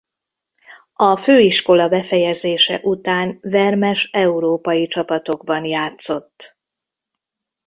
A főiskola befejezése után Vermes európai csapatokban játszott.